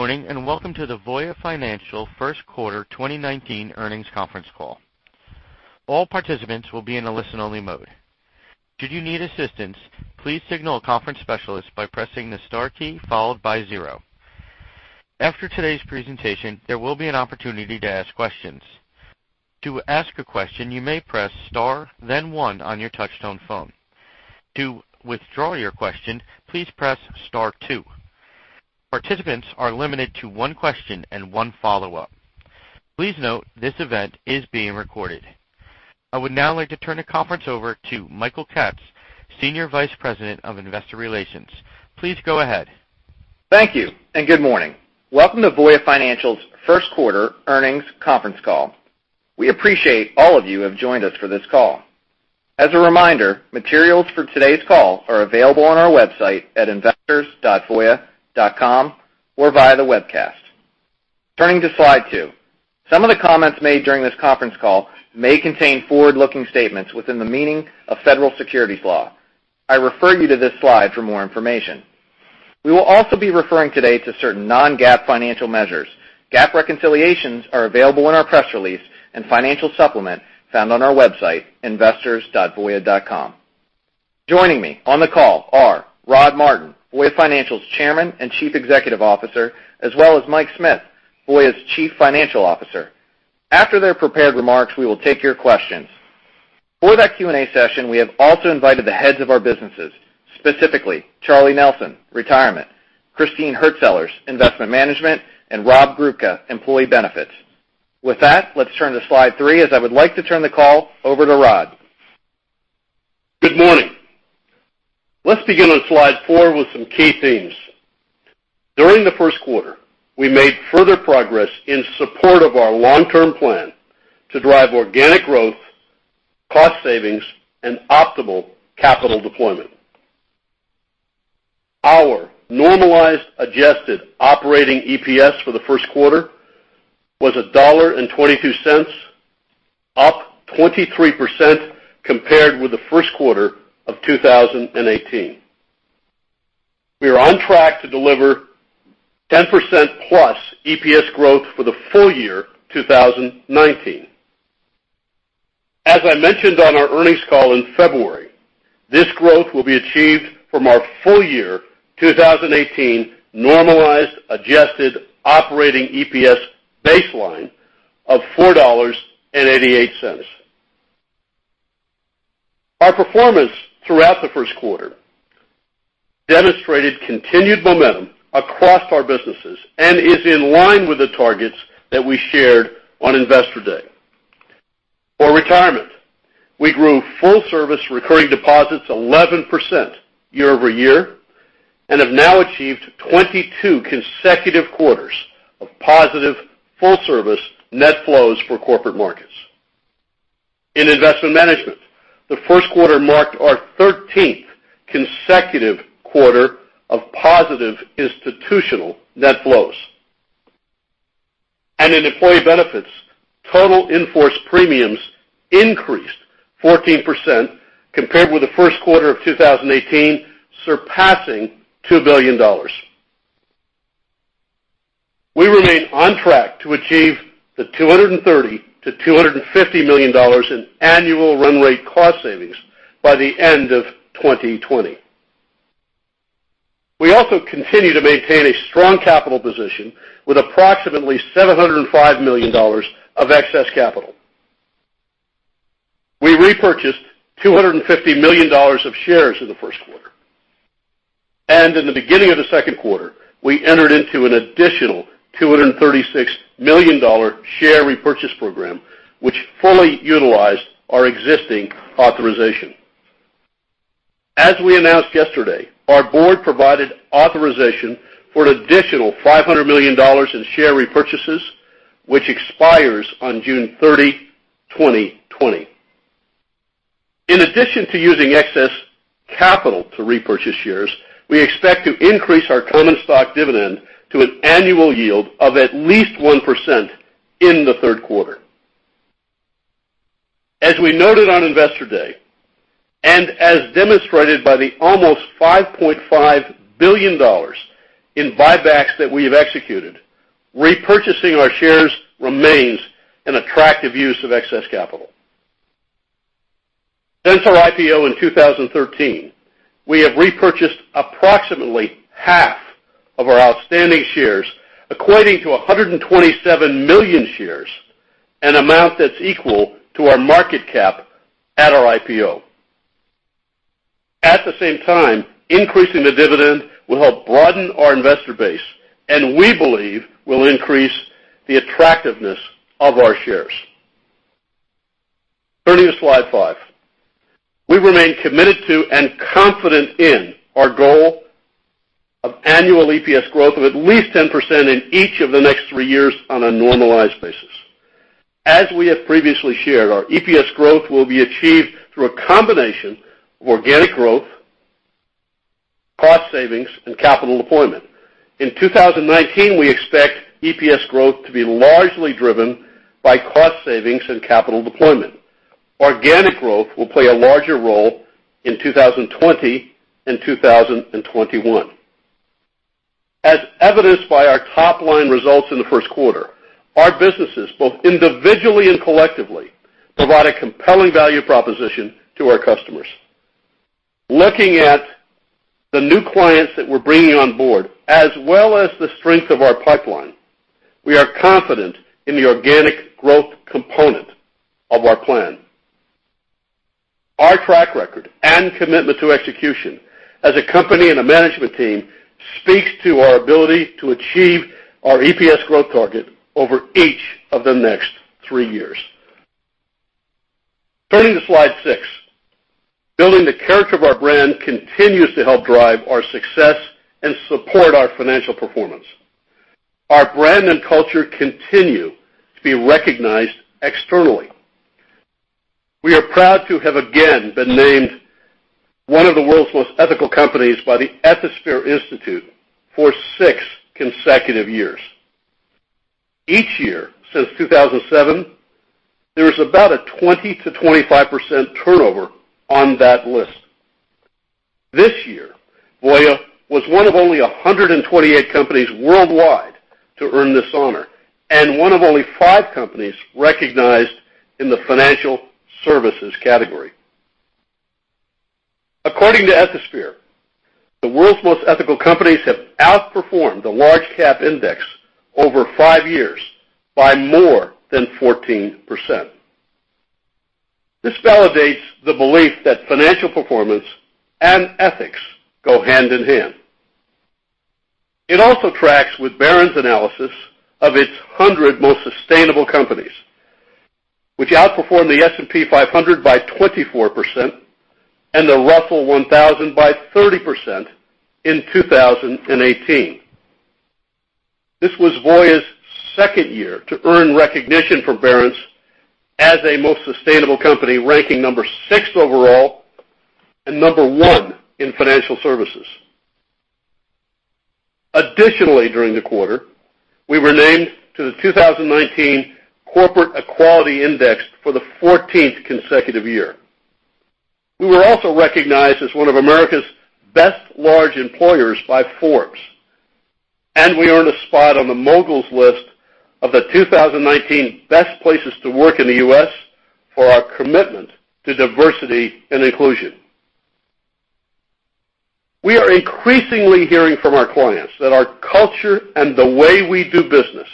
Good morning, and welcome to the Voya Financial First Quarter 2019 Earnings Conference Call. All participants will be in a listen-only mode. Should you need assistance, please signal a conference specialist by pressing the star followed by 0. After today's presentation, there will be an opportunity to ask questions. To ask a question, you may press star, then 1 on your touchtone phone. To withdraw your question, please press star 2. Participants are limited to 1 question and 1 follow-up. Please note, this event is being recorded. I would now like to turn the conference over to Michael Katz, Senior Vice President of Investor Relations. Please go ahead. Thank you. Good morning. Welcome to Voya Financial's first quarter earnings conference call. We appreciate all of you who have joined us for this call. As a reminder, materials for today's call are available on our website at investors.voya.com or via the webcast. Turning to slide two. Some of the comments made during this conference call may contain forward-looking statements within the meaning of federal securities law. I refer you to this slide for more information. We will also be referring today to certain non-GAAP financial measures. GAAP reconciliations are available in our press release and financial supplement found on our website, investors.voya.com. Joining me on the call are Rod Martin, Voya Financial's Chairman and Chief Executive Officer, as well as Mike Smith, Voya's Chief Financial Officer. After their prepared remarks, we will take your questions. For that Q&A session, we have also invited the heads of our businesses, specifically Charlie Nelson, Retirement, Christine Hurtsellers, Investment Management, and Rob Grubka, Employee Benefits. With that, let's turn to slide three as I would like to turn the call over to Rod. Good morning. Let's begin on slide four with some key themes. During the first quarter, we made further progress in support of our long-term plan to drive organic growth, cost savings, and optimal capital deployment. Our normalized adjusted operating EPS for the first quarter was $1.22, up 23% compared with the first quarter of 2018. We are on track to deliver 10% plus EPS growth for the full year 2019. As I mentioned on our earnings call in February, this growth will be achieved from our full year 2018 normalized adjusted operating EPS baseline of $4.88. Our performance throughout the first quarter demonstrated continued momentum across our businesses and is in line with the targets that we shared on Investor Day. For Retirement, we grew full service recurring deposits 11% year-over-year and have now achieved 22 consecutive quarters of positive full service net flows for corporate markets. In Investment Management, the first quarter marked our 13th consecutive quarter of positive institutional net flows. In Employee Benefits, total in-force premiums increased 14% compared with the first quarter of 2018, surpassing $2 billion. We remain on track to achieve the $230 million-$250 million in annual run rate cost savings by the end of 2020. We also continue to maintain a strong capital position with approximately $705 million of excess capital. We repurchased $250 million of shares in the first quarter, and in the beginning of the second quarter, we entered into an additional $236 million share repurchase program, which fully utilized our existing authorization. As we announced yesterday, our board provided authorization for an additional $500 million in share repurchases, which expires on June 30, 2020. In addition to using excess capital to repurchase shares, we expect to increase our common stock dividend to an annual yield of at least 1% in the third quarter. As we noted on Investor Day, as demonstrated by the almost $5.5 billion in buybacks that we have executed, repurchasing our shares remains an attractive use of excess capital. Since our IPO in 2013, we have repurchased approximately half of our outstanding shares, equating to 127 million shares, an amount that's equal to our market cap at our IPO. Increasing the dividend will help broaden our investor base, and we believe will increase the attractiveness of our shares. Turning to slide five. We remain committed to and confident in our goal of annual EPS growth of at least 10% in each of the next three years on a normalized basis. As we have previously shared, our EPS growth will be achieved through a combination of organic growth, cost savings, and capital deployment. In 2019, we expect EPS growth to be largely driven by cost savings and capital deployment. Organic growth will play a larger role in 2020 and 2021. As evidenced by our top-line results in the first quarter, our businesses, both individually and collectively, provide a compelling value proposition to our customers. Looking at the new clients that we're bringing on board, as well as the strength of our pipeline, we are confident in the organic growth component of our plan. Our track record and commitment to execution as a company and a management team speaks to our ability to achieve our EPS growth target over each of the next three years. Turning to slide six, building the character of our brand continues to help drive our success and support our financial performance. Our brand and culture continue to be recognized externally. We are proud to have again been named one of the world's most ethical companies by the Ethisphere Institute for six consecutive years. Each year since 2007, there is about a 20%-25% turnover on that list. This year, Voya was one of only 128 companies worldwide to earn this honor, and one of only five companies recognized in the financial services category. According to Ethisphere, the world's most ethical companies have outperformed the large-cap index over five years by more than 14%. This validates the belief that financial performance and ethics go hand in hand. It also tracks with Barron's analysis of its 100 most sustainable companies, which outperformed the S&P 500 by 24% and the Russell 1000 by 30% in 2018. This was Voya's second year to earn recognition from Barron's as a most sustainable company, ranking number six overall and number one in financial services. Additionally, during the quarter, we were named to the 2019 Corporate Equality Index for the 14th consecutive year. We were also recognized as one of America's best large employers by Forbes, and we earned a spot on the Mogul List of the 2019 best places to work in the U.S. for our commitment to diversity and inclusion. We are increasingly hearing from our clients that our culture and the way we do business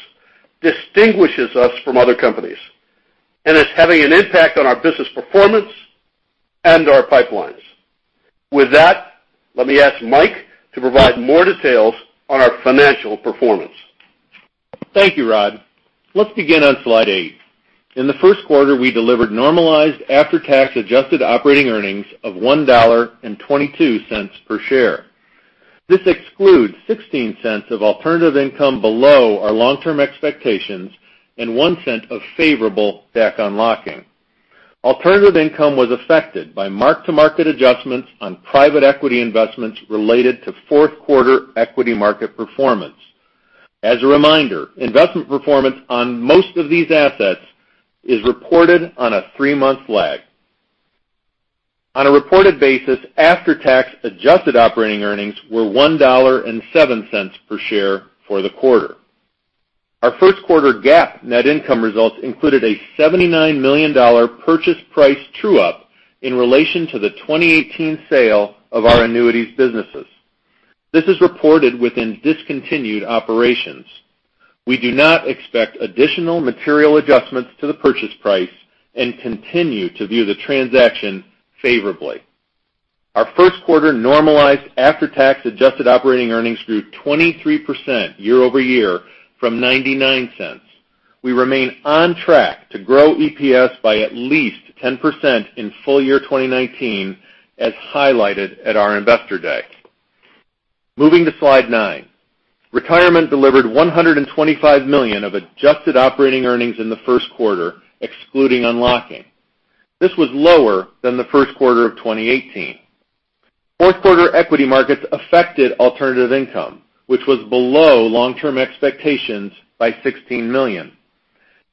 distinguishes us from other companies and is having an impact on our business performance and our pipelines. With that, let me ask Mike to provide more details on our financial performance. Thank you, Rod. Let's begin on slide eight. In the first quarter, we delivered normalized after-tax adjusted operating earnings of $1.22 per share. This excludes $0.16 of alternative income below our long-term expectations and $0.01 of favorable DAC unlocking. Alternative income was affected by mark-to-market adjustments on private equity investments related to fourth quarter equity market performance. As a reminder, investment performance on most of these assets is reported on a three-month lag. On a reported basis, after-tax adjusted operating earnings were $1.07 per share for the quarter. Our first quarter GAAP net income results included a $79 million purchase price true-up in relation to the 2018 sale of our annuities businesses. This is reported within discontinued operations. We do not expect additional material adjustments to the purchase price and continue to view the transaction favorably. Our first quarter normalized after-tax adjusted operating earnings grew 23% year-over-year from $0.99. We remain on track to grow EPS by at least 10% in full year 2019, as highlighted at our Investor Day. Moving to slide nine, Retirement delivered $125 million of adjusted operating earnings in the first quarter, excluding unlocking. This was lower than the first quarter of 2018. Fourth quarter equity markets affected alternative income, which was below long-term expectations by $16 million.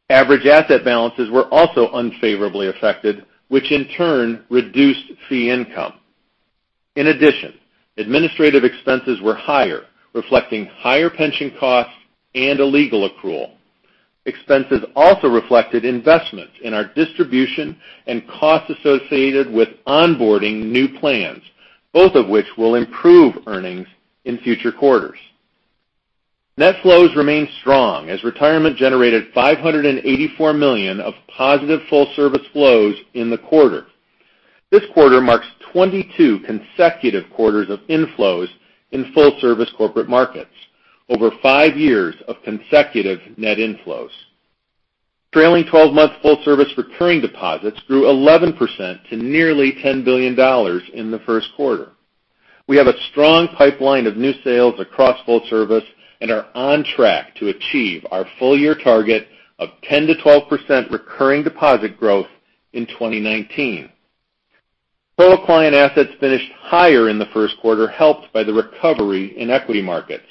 Average asset balances were also unfavorably affected, which in turn reduced fee income. In addition, administrative expenses were higher, reflecting higher pension costs and a legal accrual. Expenses also reflected investments in our distribution and costs associated with onboarding new plans, both of which will improve earnings in future quarters. Net flows remain strong as Retirement generated $584 million of positive full service flows in the quarter. This quarter marks 22 consecutive quarters of inflows in full service corporate markets, over five years of consecutive net inflows. Trailing 12-month full service recurring deposits grew 11% to nearly $10 billion in the first quarter. We have a strong pipeline of new sales across full service and are on track to achieve our full year target of 10%-12% recurring deposit growth in 2019. Total client assets finished higher in the first quarter, helped by the recovery in equity markets.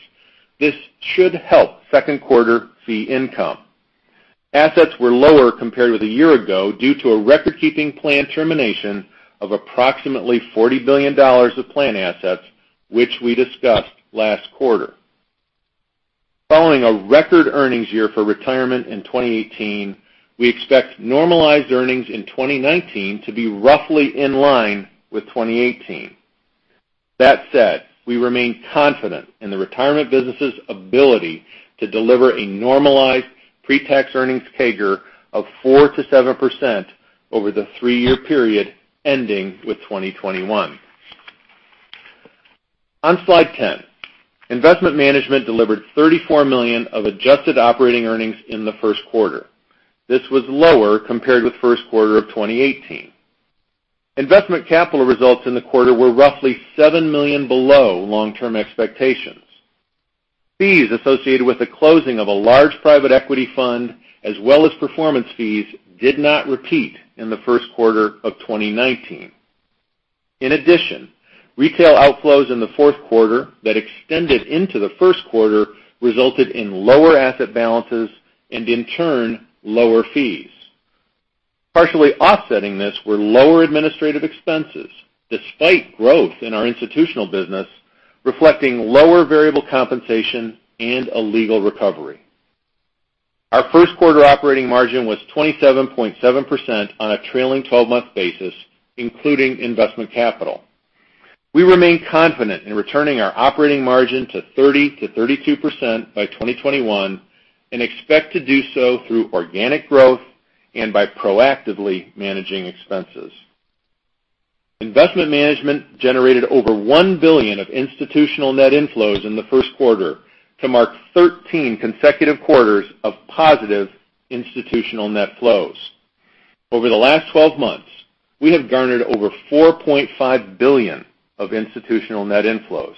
This should help second quarter fee income. Assets were lower compared with a year ago due to a record-keeping plan termination of approximately $40 billion of plan assets, which we discussed last quarter. Following a record earnings year for Retirement in 2018, we expect normalized earnings in 2019 to be roughly in line with 2018. We remain confident in the Retirement business's ability to deliver a normalized pre-tax earnings CAGR of 4%-7% over the three-year period ending with 2021. On slide 10, Investment Management delivered $34 million of adjusted operating earnings in the first quarter. This was lower compared with first quarter of 2018. Investment capital results in the quarter were roughly $7 million below long-term expectations. Fees associated with the closing of a large private equity fund, as well as performance fees, did not repeat in the first quarter of 2019. In addition, retail outflows in the fourth quarter that extended into the first quarter resulted in lower asset balances and, in turn, lower fees. Partially offsetting this were lower administrative expenses, despite growth in our institutional business, reflecting lower variable compensation and a legal recovery. Our first quarter operating margin was 27.7% on a trailing 12-month basis, including investment capital. We remain confident in returning our operating margin to 30%-32% by 2021, and expect to do so through organic growth and by proactively managing expenses. Investment Management generated over $1 billion of institutional net inflows in the first quarter to mark 13 consecutive quarters of positive institutional net flows. Over the last 12 months, we have garnered over $4.5 billion of institutional net inflows.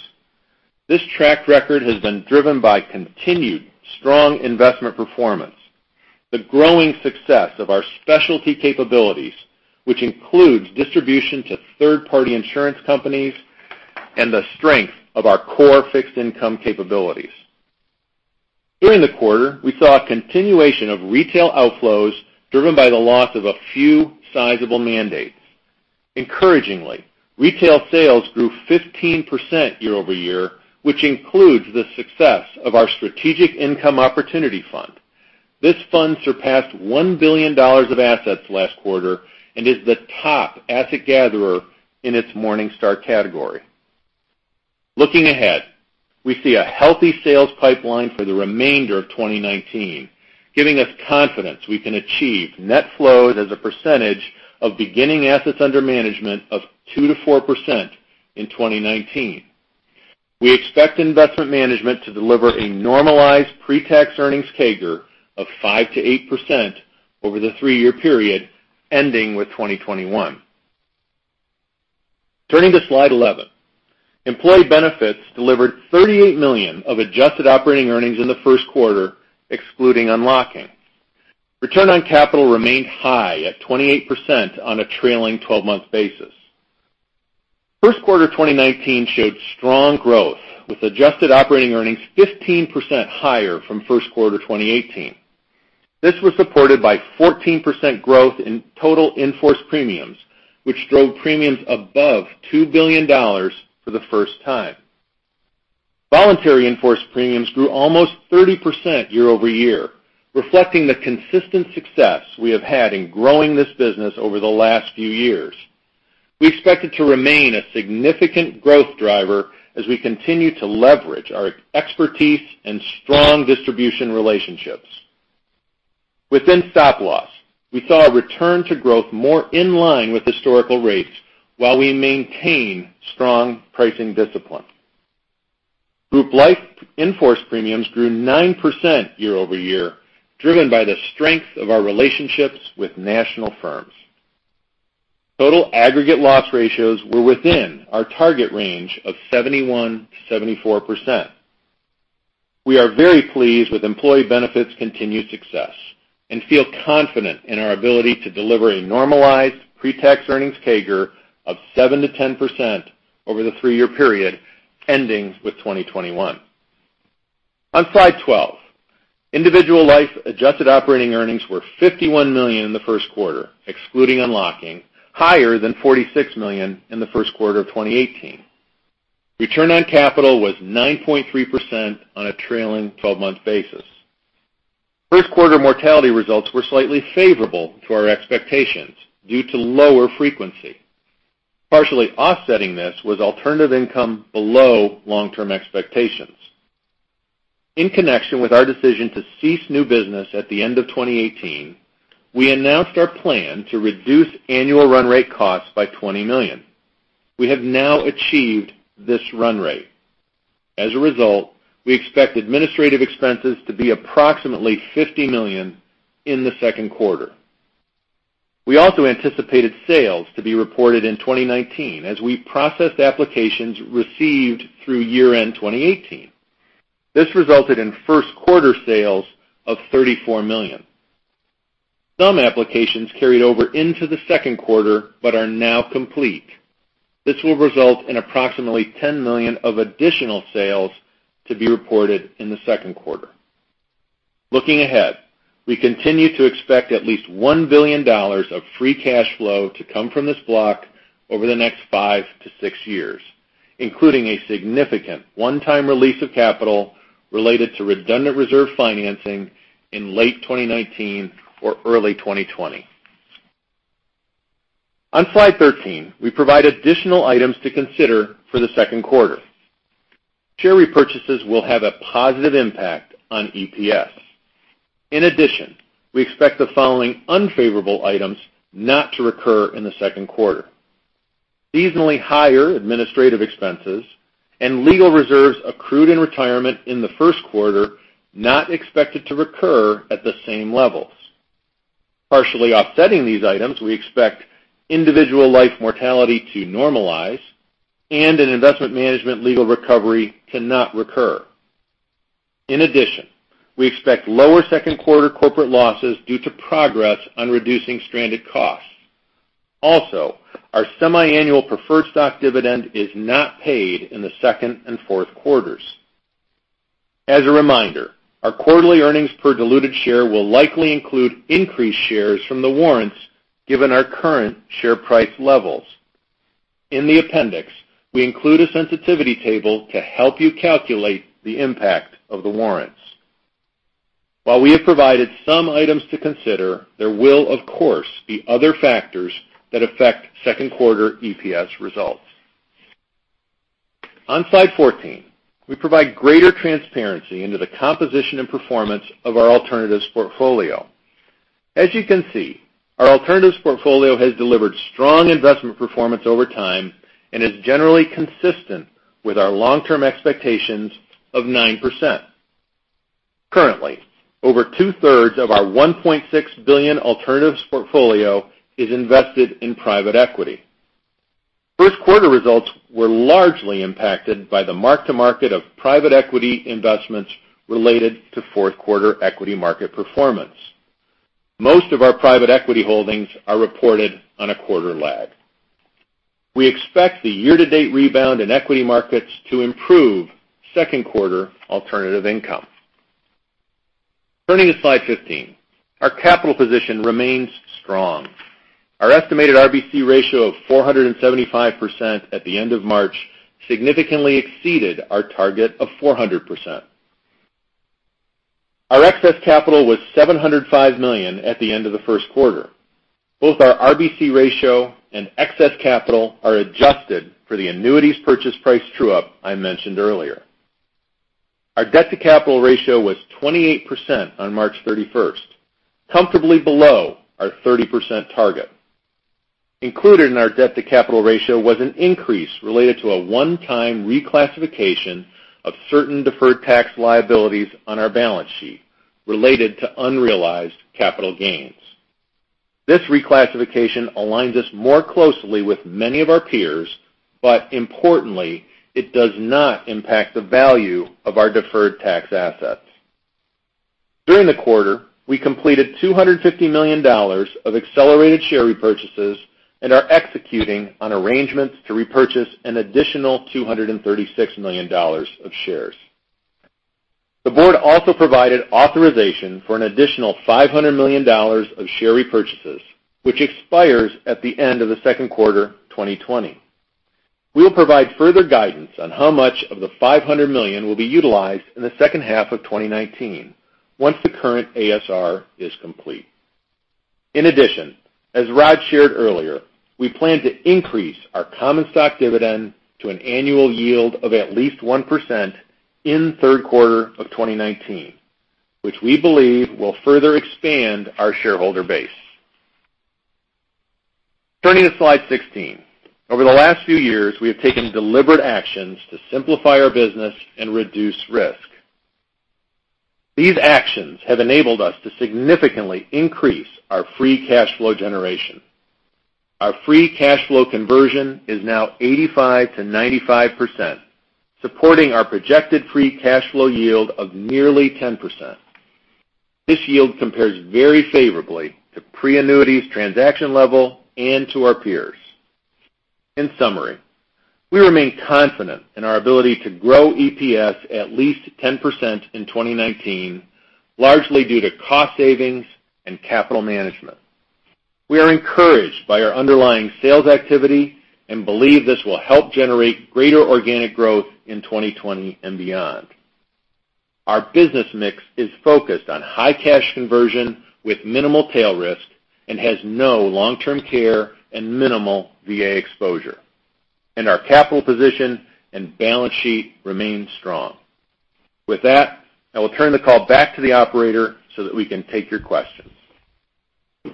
This track record has been driven by continued strong investment performance, the growing success of our specialty capabilities, which includes distribution to third-party insurance companies, and the strength of our core fixed income capabilities. During the quarter, we saw a continuation of retail outflows driven by the loss of a few sizable mandates. Encouragingly, retail sales grew 15% year-over-year, which includes the success of our Strategic Income Opportunities Fund. This fund surpassed $1 billion of assets last quarter and is the top asset gatherer in its Morningstar category. Looking ahead, we see a healthy sales pipeline for the remainder of 2019, giving us confidence we can achieve net flows as a percentage of beginning assets under management of 2%-4% in 2019. We expect Investment Management to deliver a normalized pre-tax earnings CAGR of 5%-8% over the three-year period ending with 2021. Turning to slide 11, Employee Benefits delivered $38 million of adjusted operating earnings in the first quarter, excluding unlocking. Return on capital remained high at 28% on a trailing 12-month basis. First quarter 2019 showed strong growth, with adjusted operating earnings 15% higher from first quarter 2018. This was supported by 14% growth in total in-force premiums, which drove premiums above $2 billion for the first time. Voluntary in-force premiums grew almost 30% year-over-year, reflecting the consistent success we have had in growing this business over the last few years. We expect it to remain a significant growth driver as we continue to leverage our expertise and strong distribution relationships. Within Stop Loss, we saw a return to growth more in line with historical rates while we maintain strong pricing discipline. Group Life in-force premiums grew 9% year-over-year, driven by the strength of our relationships with national firms. Total aggregate loss ratios were within our target range of 71%-74%. We are very pleased with Employee Benefits' continued success and feel confident in our ability to deliver a normalized pre-tax earnings CAGR of 7%-10% over the three-year period ending with 2021. On slide 12, Individual Life adjusted operating earnings were $51 million in the first quarter, excluding unlocking, higher than $46 million in the first quarter of 2018. Return on capital was 9.3% on a trailing 12-month basis. First quarter mortality results were slightly favorable to our expectations due to lower frequency. Partially offsetting this was alternative income below long-term expectations. In connection with our decision to cease new business at the end of 2018, we announced our plan to reduce annual run rate costs by $20 million. We have now achieved this run rate. As a result, we expect administrative expenses to be approximately $50 million in the second quarter. We also anticipated sales to be reported in 2019 as we processed applications received through year-end 2018. This resulted in first quarter sales of $34 million. Some applications carried over into the second quarter but are now complete. This will result in approximately $10 million of additional sales to be reported in the second quarter. Looking ahead, we continue to expect at least $1 billion of free cash flow to come from this block over the next five to six years, including a significant one-time release of capital related to redundant reserve financing in late 2019 or early 2020. On slide 13, we provide additional items to consider for the second quarter. Share repurchases will have a positive impact on EPS. In addition, we expect the following unfavorable items not to recur in the second quarter. Seasonally higher administrative expenses and legal reserves accrued in Retirement in the first quarter, not expected to recur at the same levels. Partially offsetting these items, we expect Individual Life mortality to normalize and an Investment Management legal recovery to not recur. In addition, we expect lower second quarter corporate losses due to progress on reducing stranded costs. Also, our semiannual preferred stock dividend is not paid in the second and fourth quarters. As a reminder, our quarterly earnings per diluted share will likely include increased shares from the warrants given our current share price levels. In the appendix, we include a sensitivity table to help you calculate the impact of the warrants. While we have provided some items to consider, there will, of course, be other factors that affect second quarter EPS results. On slide 14, we provide greater transparency into the composition and performance of our alternatives portfolio. As you can see, our alternatives portfolio has delivered strong investment performance over time and is generally consistent with our long-term expectations of 9%. Currently, over two-thirds of our $1.6 billion alternatives portfolio is invested in private equity. First quarter results were largely impacted by the mark-to-market of private equity investments related to fourth quarter equity market performance. Most of our private equity holdings are reported on a quarter lag. We expect the year-to-date rebound in equity markets to improve second quarter alternative income. Turning to slide 15. Our capital position remains strong. Our estimated RBC ratio of 475% at the end of March significantly exceeded our target of 400%. Our excess capital was $705 million at the end of the first quarter. Both our RBC ratio and excess capital are adjusted for the annuities purchase price true-up I mentioned earlier. Our debt-to-capital ratio was 28% on March 31st, comfortably below our 30% target. Included in our debt-to-capital ratio was an increase related to a one-time reclassification of certain deferred tax liabilities on our balance sheet related to unrealized capital gains. Importantly, it does not impact the value of our deferred tax assets. During the quarter, we completed $250 million of accelerated share repurchases and are executing on arrangements to repurchase an additional $236 million of shares. The board also provided authorization for an additional $500 million of share repurchases, which expires at the end of the second quarter 2020. We will provide further guidance on how much of the $500 million will be utilized in the second half of 2019 once the current ASR is complete. In addition, as Rod shared earlier, we plan to increase our common stock dividend to an annual yield of at least 1% in the third quarter of 2019, which we believe will further expand our shareholder base. Turning to slide 16. Over the last few years, we have taken deliberate actions to simplify our business and reduce risk. These actions have enabled us to significantly increase our free cash flow generation. Our free cash flow conversion is now 85%-95%, supporting our projected free cash flow yield of nearly 10%. This yield compares very favorably to pre-annuities transaction level and to our peers. In summary, we remain confident in our ability to grow EPS at least 10% in 2019, largely due to cost savings and capital management. We are encouraged by our underlying sales activity and believe this will help generate greater organic growth in 2020 and beyond. Our business mix is focused on high cash conversion with minimal tail risk and has no long-term care and minimal VA exposure. Our capital position and balance sheet remain strong. With that, I will turn the call back to the operator so that we can take your questions. We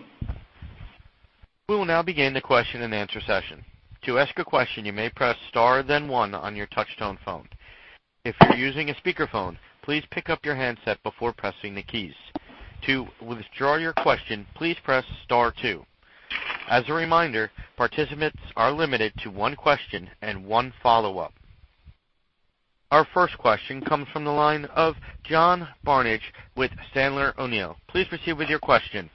will now begin the question and answer session. To ask a question, you may press star then one on your touchtone phone. If you're using a speakerphone, please pick up your handset before pressing the keys. To withdraw your question, please press star two. As a reminder, participants are limited to one question and one follow-up. Our first question comes from the line of John Barnidge with Sandler O'Neill. Please proceed with your question.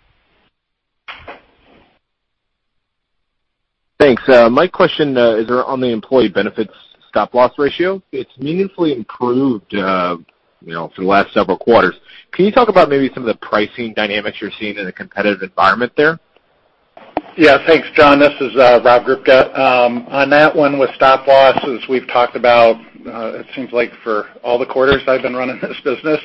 Thanks. My question is around the Employee Benefits Stop Loss ratio. It's meaningfully improved for the last several quarters. Can you talk about maybe some of the pricing dynamics you're seeing in the competitive environment there? Yeah, thanks, John. This is Rob Grubka. On that one with Stop Loss, as we've talked about it seems like for all the quarters I've been running this business,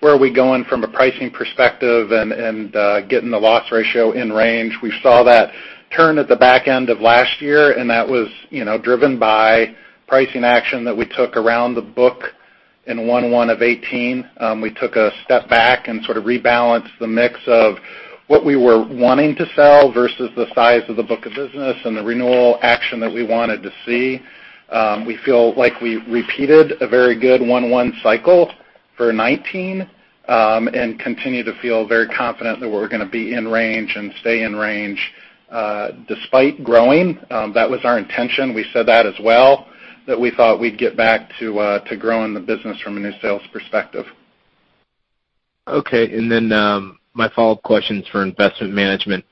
where are we going from a pricing perspective and getting the loss ratio in range. We saw that turn at the back end of last year, and that was driven by pricing action that we took around the book in 1/1 of 2018. We took a step back and sort of rebalanced the mix of what we were wanting to sell versus the size of the book of business and the renewal action that we wanted to see. We feel like we repeated a very good 1/1 cycle for 2019, and continue to feel very confident that we're going to be in range and stay in range, despite growing. That was our intention. We said that as well, that we thought we'd get back to growing the business from a new sales perspective. my follow-up question is for Investment Management.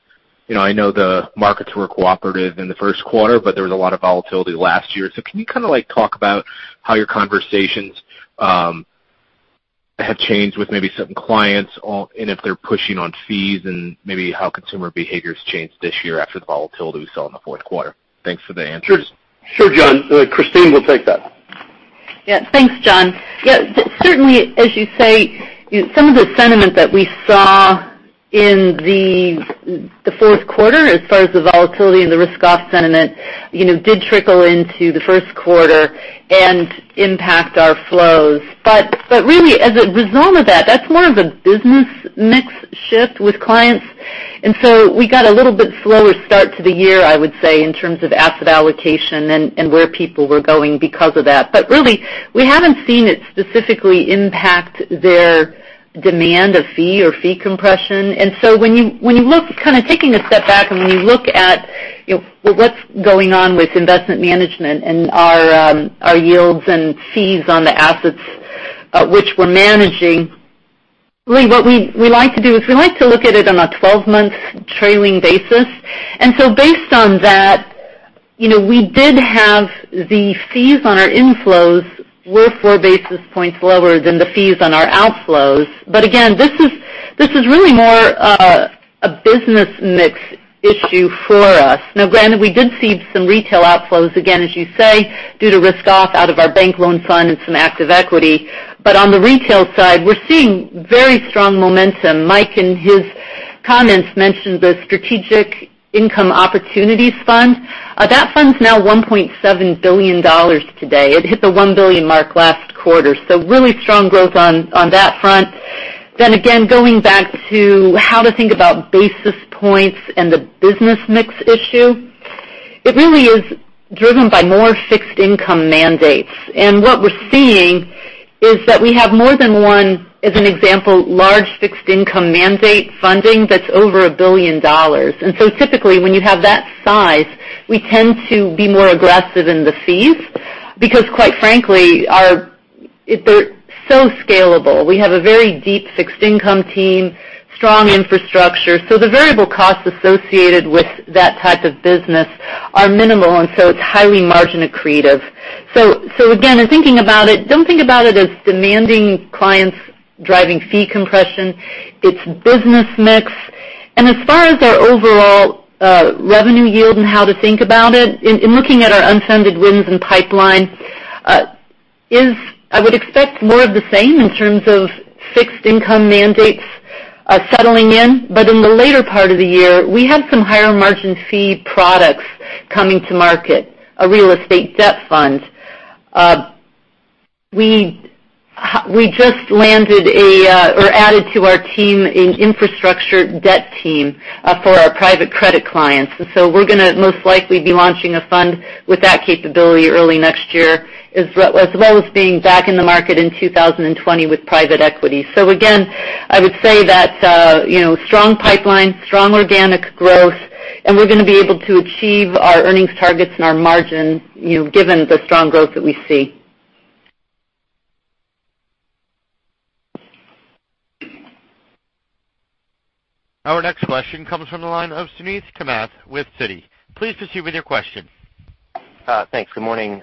I know the markets were cooperative in the first quarter, there was a lot of volatility last year. Can you talk about how your conversations have changed with maybe certain clients, if they're pushing on fees, and maybe how consumer behavior's changed this year after the volatility we saw in the fourth quarter? Thanks for the answers. Sure, John. Christine will take that. Thanks, John. Certainly, as you say, some of the sentiment that we saw in the fourth quarter as far as the volatility and the risk-off sentiment, did trickle into the first quarter and impact our flows. Really, as a result of that's more of a business mix shift with clients. We got a little bit slower start to the year, I would say, in terms of asset allocation and where people were going because of that. Really, we haven't seen it specifically impact their demand of fee or fee compression. When you look, kind of taking a step back, and when you look at what's going on with Investment Management and our yields and fees on the assets which we're managing, really what we like to do is we like to look at it on a 12-month trailing basis. Based on that, we did have the fees on our inflows were four basis points lower than the fees on our outflows. Again, this is really more a business mix issue for us. Now, granted, we did see some retail outflows, again, as you say, due to risk-off out of our bank loan fund and some active equity. On the retail side, we're seeing very strong momentum. Mike, in his comments, mentioned the Strategic Income Opportunities Fund. That fund's now $1.7 billion today. It hit the $1 billion mark last quarter, really strong growth on that front. Again, going back to how to think about basis points and the business mix issue, it really is driven by more fixed income mandates. What we're seeing is that we have more than one, as an example, large fixed income mandate funding that's over $1 billion. Typically, when you have that size, we tend to be more aggressive in the fees because quite frankly, they're so scalable. We have a very deep fixed income team, strong infrastructure. The variable costs associated with that type of business are minimal, it's highly margin accretive. Again, in thinking about it, don't think about it as demanding clients driving fee compression. It's business mix. As far as our overall revenue yield and how to think about it, in looking at our unfunded wins and pipeline, is I would expect more of the same in terms of fixed income mandates settling in. In the later part of the year, we have some higher margin fee products coming to market, a real estate debt fund. We just landed or added to our team an infrastructure debt team for our private credit clients. We're going to most likely be launching a fund with that capability early next year, as well as being back in the market in 2020 with private equity. Again, I would say that strong pipeline, strong organic growth, we're going to be able to achieve our earnings targets and our margin, given the strong growth that we see. Our next question comes from the line of Suneet Kamath with Citi. Please proceed with your question. Thanks. Good morning.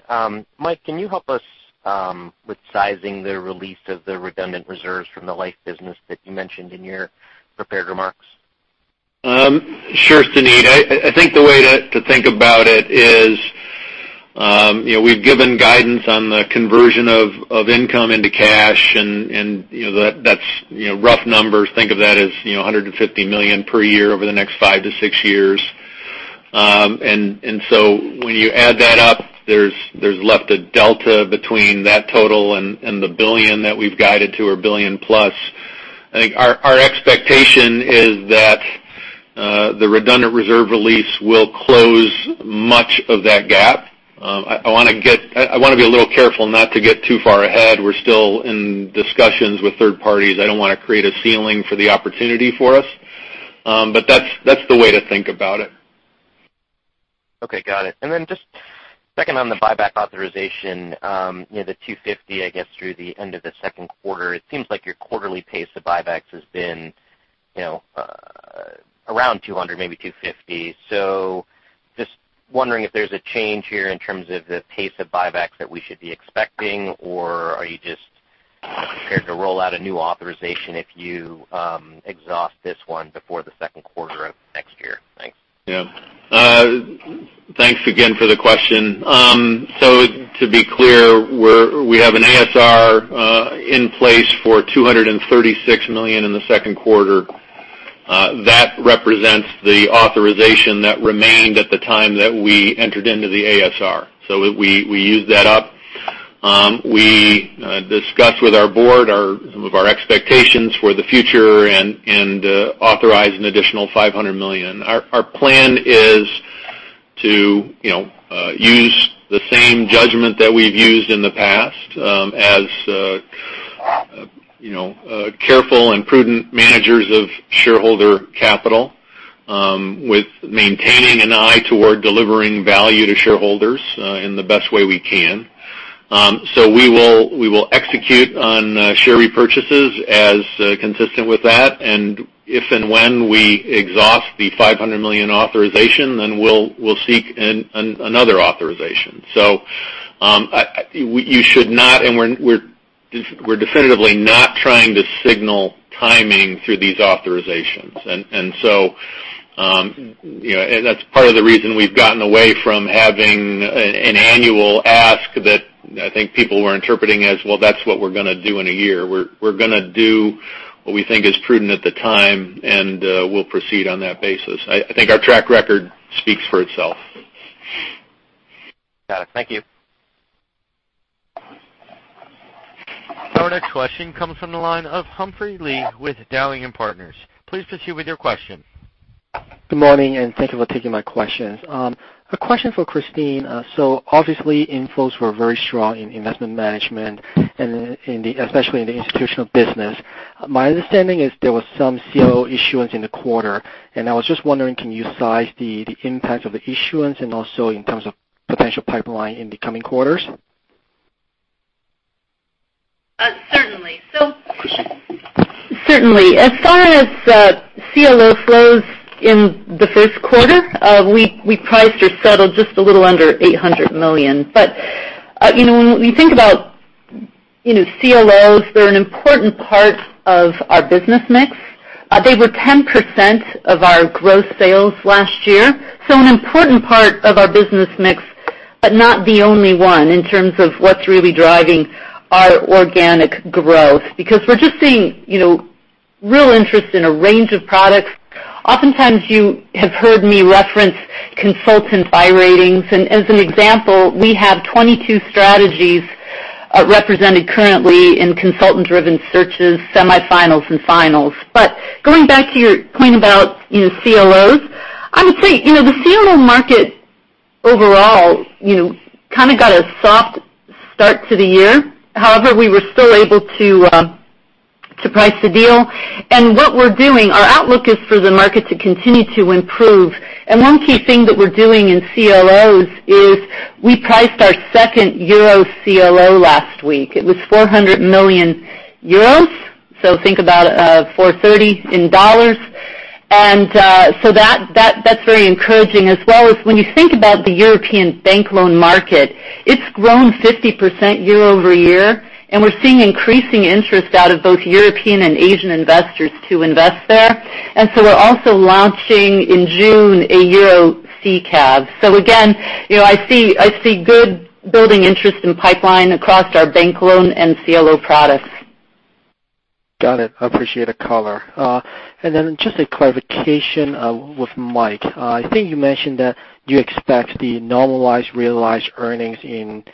Mike, can you help us with sizing the release of the redundant reserves from the life business that you mentioned in your prepared remarks? Sure, Suneet. I think the way to think about it is we've given guidance on the conversion of income into cash, that's rough numbers. Think of that as $150 million per year over the next 5 to 6 years. When you add that up, there's left a delta between that total and the billion that we've guided to or billion plus. I think our expectation is that the redundant reserve release will close much of that gap. I want to be a little careful not to get too far ahead. We're still in discussions with third parties. I don't want to create a ceiling for the opportunity for us. That's the way to think about it. Okay, got it. Then just second on the buyback authorization, the $250 million, I guess, through the end of the second quarter, it seems like your quarterly pace of buybacks has been around $200 million, maybe $250 million. Just wondering if there's a change here in terms of the pace of buybacks that we should be expecting, or are you just prepared to roll out a new authorization if you exhaust this one before the second quarter of next year? Thanks. Yeah. Thanks again for the question. To be clear, we have an ASR in place for $236 million in the second quarter. That represents the authorization that remained at the time that we entered into the ASR. We used that up. We discussed with our board some of our expectations for the future and authorized an additional $500 million. Our plan is to use the same judgment that we've used in the past as careful and prudent managers of shareholder capital with maintaining an eye toward delivering value to shareholders in the best way we can. We will execute on share repurchases as consistent with that, and if and when we exhaust the $500 million authorization, we'll seek another authorization. You should not, and we're definitively not trying to signal timing through these authorizations. That's part of the reason we've gotten away from having an annual ask that I think people were interpreting as, well, that's what we're going to do in a year. We're going to do what we think is prudent at the time, we'll proceed on that basis. I think our track record speaks for itself. Got it. Thank you. Our next question comes from the line of Humphrey Lee with Dowling & Partners. Please proceed with your question. Good morning. Thank you for taking my questions. A question for Christine. Obviously, inflows were very strong in Investment Management, especially in the institutional business. My understanding is there was some CLO issuance in the quarter. I was just wondering, can you size the impact of the issuance and also in terms of potential pipeline in the coming quarters? Certainly. As far as CLO flows in the first quarter, we priced or settled just a little under $800 million. When we think about CLOs, they're an important part of our business mix. They were 10% of our gross sales last year. An important part of our business mix, but not the only one in terms of what's really driving our organic growth, because we're just seeing real interest in a range of products. Oftentimes, you have heard me reference consultant buy ratings. As an example, we have 22 strategies represented currently in consultant-driven searches, semifinals, and finals. Going back to your point about CLOs, I would say the CLO market overall kind of got a soft start to the year. However, we were still able to price the deal. What we're doing, our outlook is for the market to continue to improve. One key thing that we're doing in CLOs is we priced our second Euro CLO last week. It was 400 million euros. Think about $430. That's very encouraging as well as when you think about the European bank loan market, it's grown 50% year-over-year, and we're seeing increasing interest out of both European and Asian investors to invest there. We're also launching in June a Euro CCAP. Again, I see good building interest in pipeline across our bank loan and CLO products. Got it. I appreciate a caller. Just a clarification with Mike. I think you mentioned that you expect the normalized realized earnings in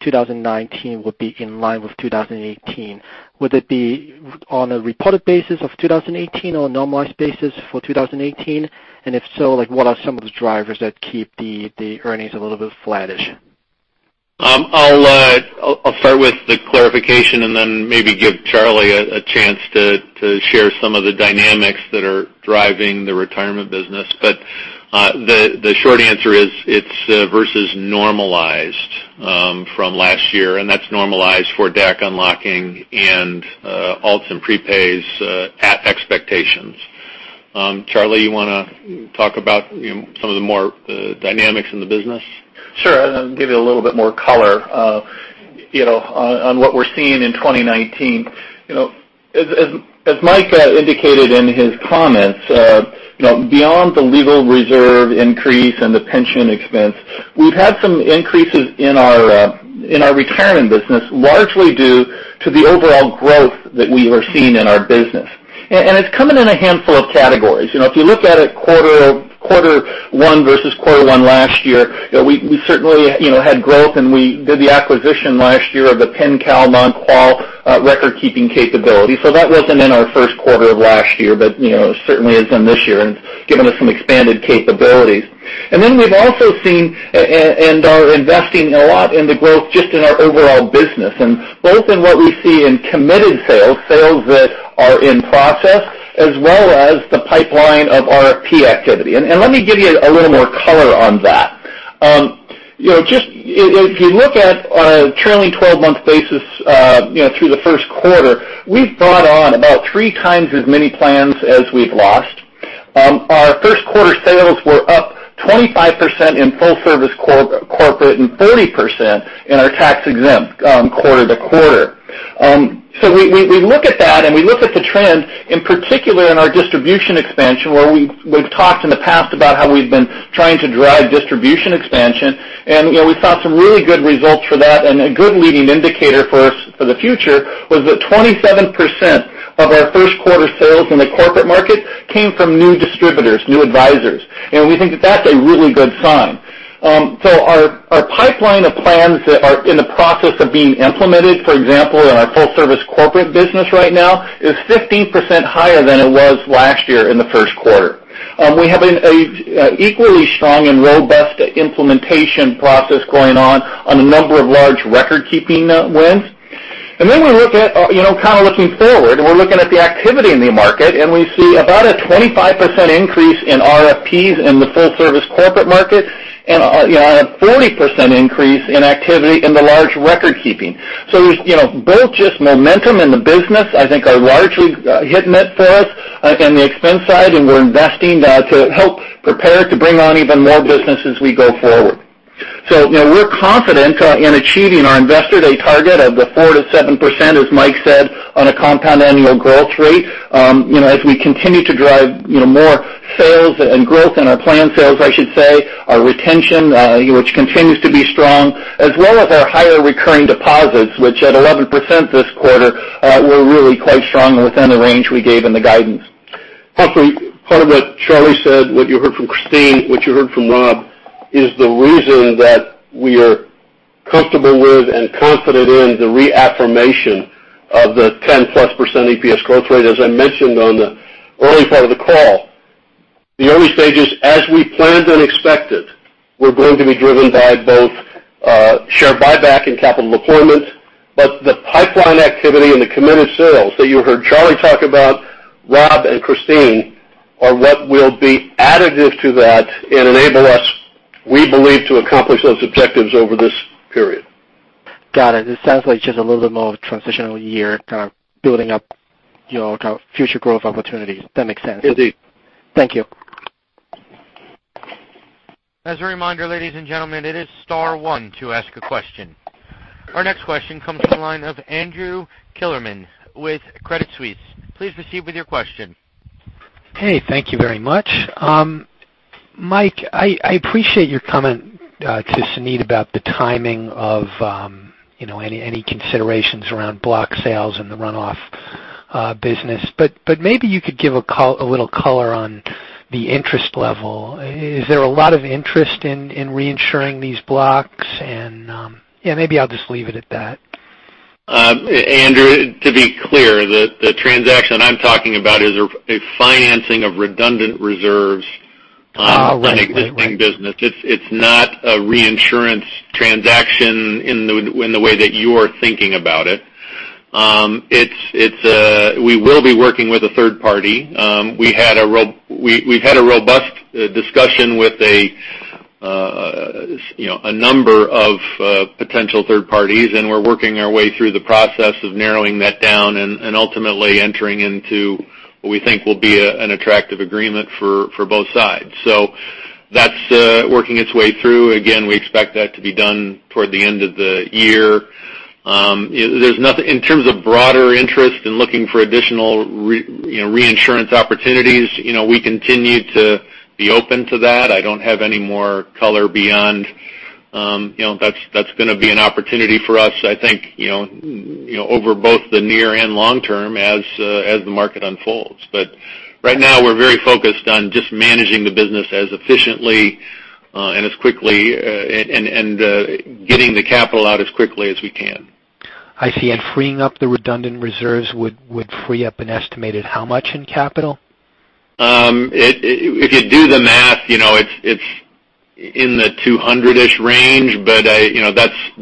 2019 would be in line with 2018. Would it be on a reported basis of 2018 or normalized basis for 2018? If so, what are some of the drivers that keep the earnings a little bit flattish? I'll start with the clarification, maybe give Charlie a chance to share some of the dynamics that are driving the Retirement business. The short answer is it's versus normalized from last year, and that's normalized for DAC unlocking and alts and prepays at expectations. Charlie, you want to talk about some of the more dynamics in the business? Sure. I'll give you a little bit more color on what we're seeing in 2019. As Mike indicated in his comments, beyond the legal reserve increase and the pension expense, we've had some increases in our Retirement business, largely due to the overall growth that we are seeing in our business. It's coming in a handful of categories. If you look at it quarter one versus quarter one last year, we certainly had growth, and we did the acquisition last year of the Pen-Cal record-keeping capability. That wasn't in our first quarter of last year, but certainly is in this year and given us some expanded capabilities. We've also seen and are investing a lot in the growth just in our overall business. Both in what we see in committed sales that are in process, as well as the pipeline of RFP activity. Let me give you a little more color on that. If you look at a trailing 12-month basis through the first quarter, we've brought on about three times as many plans as we've lost. Our first quarter sales were up 25% in full service corporate and 30% in our tax-exempt quarter-to-quarter. We look at that and we look at the trend, in particular in our distribution expansion, where we've talked in the past about how we've been trying to drive distribution expansion, and we saw some really good results for that. A good leading indicator for us for the future was that 27% of our first quarter sales in the corporate market came from new distributors, new advisors. We think that that's a really good sign. Our pipeline of plans that are in the process of being implemented, for example, in our full service corporate business right now, is 15% higher than it was last year in the first quarter. We have an equally strong and robust implementation process going on a number of large record-keeping wins. We look at kind of looking forward, and we're looking at the activity in the market, and we see about a 25% increase in RFPs in the full service corporate market and a 40% increase in activity in the large record keeping. Both just momentum in the business, I think are largely hitting it for us on the expense side, and we're investing to help prepare to bring on even more business as we go forward. We're confident in achieving our Investor Day target of the 4%-7%, as Mike said, on a compound annual growth rate as we continue to drive more sales and growth in our planned sales, I should say, our retention which continues to be strong, as well as our higher recurring deposits, which at 11% this quarter, were really quite strong within the range we gave in the guidance. Hopefully part of what Charlie said, what you heard from Christine, what you heard from Rob, is the reason that we are comfortable with and confident in the reaffirmation of the 10+% EPS growth rate, as I mentioned on the early part of the call. The early stages, as we planned and expected, were going to be driven by both share buyback and capital deployment. The pipeline activity and the committed sales that you heard Charlie talk about, Rob and Christine, are what will be additive to that and enable us, we believe, to accomplish those objectives over this period. Got it. It sounds like just a little bit more of a transitional year kind of building up future growth opportunities. That makes sense. Indeed. Thank you. As a reminder, ladies and gentlemen, it is star one to ask a question. Our next question comes from the line of Andrew Kligerman with Credit Suisse. Please proceed with your question. Hey, thank you very much. Mike, I appreciate your comment to Suneet about the timing of any considerations around block sales and the runoff business. Maybe you could give a little color on the interest level. Is there a lot of interest in reinsuring these blocks? Maybe I'll just leave it at that. Andrew, to be clear, the transaction I'm talking about is a financing of redundant reserves on an existing business. It's not a reinsurance transaction in the way that you're thinking about it. We will be working with a third party. We've had a robust discussion with a number of potential third parties, we're working our way through the process of narrowing that down and ultimately entering into what we think will be an attractive agreement for both sides. That's working its way through. Again, we expect that to be done toward the end of the year. In terms of broader interest in looking for additional reinsurance opportunities, we continue to be open to that. I don't have any more color beyond that's going to be an opportunity for us, I think, over both the near and long term as the market unfolds. Right now, we're very focused on just managing the business as efficiently and as quickly and getting the capital out as quickly as we can. I see. Freeing up the redundant reserves would free up an estimated how much in capital? If you do the math, it's in the 200-ish range, but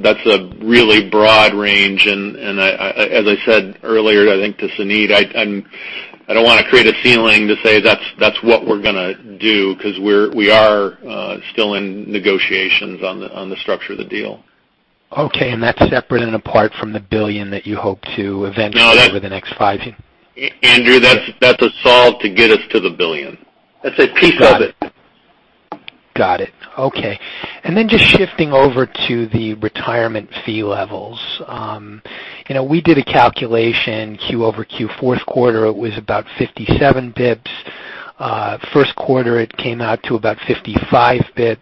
that's a really broad range. As I said earlier, I think to Suneet, I don't want to create a ceiling to say that's what we're going to do because we are still in negotiations on the structure of the deal. Okay. That's separate and apart from the $1 billion that you hope to eventually over the next five years. Andrew, that's a solve to get us to the $1 billion. That's a piece of it. Got it. Okay. Just shifting over to the Retirement fee levels. We did a calculation Q over Q fourth quarter, it was about 57 basis points. First quarter, it came out to about 55 basis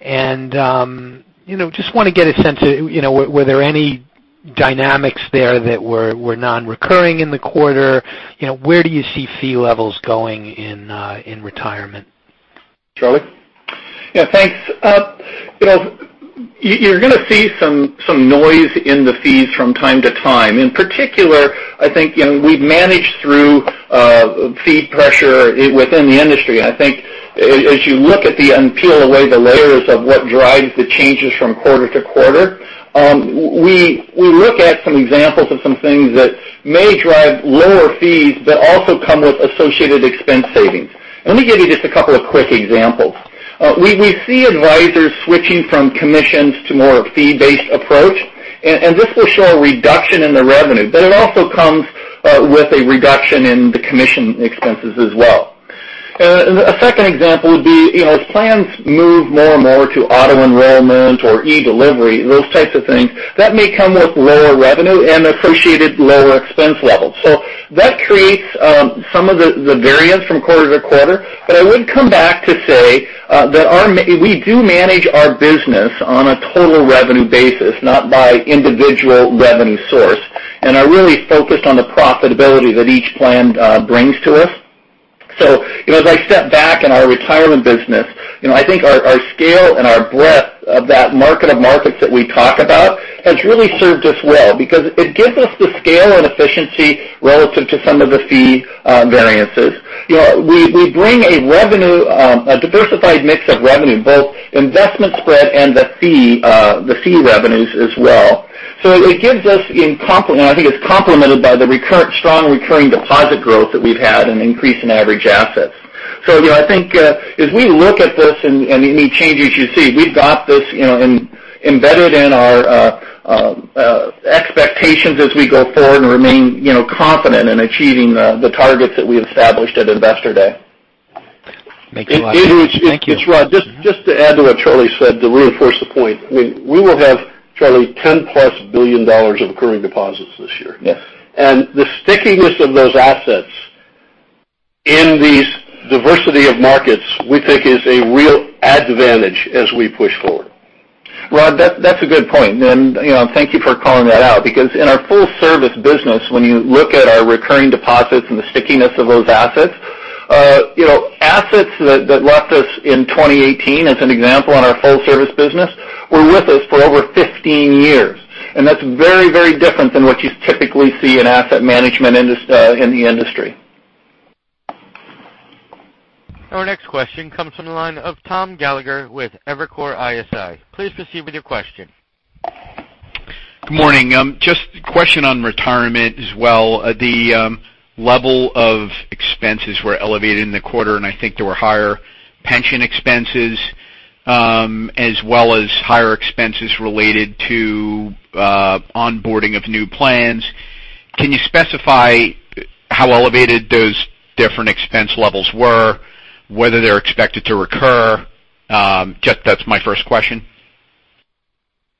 points. Just want to get a sense of were there any dynamics there that were non-recurring in the quarter? Where do you see fee levels going in Retirement? Charlie? Yeah, thanks. You're going to see some noise in the fees from time to time. In particular, I think we've managed through fee pressure within the industry. I think as you look at and peel away the layers of what drives the changes from quarter to quarter, we look at some examples of some things that may drive lower fees but also come with associated expense savings. Let me give you just a couple of quick examples. We see advisors switching from commissions to more fee-based approach. This will show a reduction in the revenue, but it also comes with a reduction in the commission expenses as well. A second example would be, as plans move more and more to auto-enrollment or e-delivery, those types of things, that may come with lower revenue and appreciated lower expense levels. That creates some of the variance from quarter to quarter. I would come back to say that we do manage our business on a total revenue basis, not by individual revenue source, and are really focused on the profitability that each plan brings to us. As I step back in our Retirement business, I think our scale and our breadth of that market of markets that we talk about has really served us well because it gives us the scale and efficiency relative to some of the fee variances. We bring a diversified mix of revenue, both investment spread and the fee revenues as well. I think it's complemented by the strong recurring deposit growth that we've had and increase in average assets. I think as we look at this and any changes you see, we've got this embedded in our expectations as we go forward and remain confident in achieving the targets that we established at Investor Day. Makes a lot of sense. Thank you. It's Rod. Just to add to what Charlie said, to reinforce the point, we will have, Charlie, $10-plus billion of recurring deposits this year. Yes. The stickiness of those assets in these diversity of markets, we think is a real advantage as we push forward. Rod, that's a good point, and thank you for calling that out because in our full service business, when you look at our recurring deposits and the stickiness of those assets that left us in 2018, as an example, in our full service business, were with us for over 15 years. That's very different than what you typically see in asset management in the industry. Our next question comes from the line of Thomas Gallagher with Evercore ISI. Please proceed with your question. Good morning. Just a question on Retirement as well. The level of expenses were elevated in the quarter, I think there were higher pension expenses, as well as higher expenses related to onboarding of new plans. Can you specify how elevated those different expense levels were, whether they're expected to recur? That's my first question.